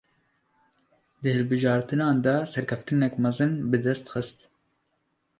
Di hilbijartinan de serkeftinek mezin bi dest xist